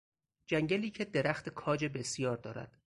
جنگلی که درخت کاج بسیار دارد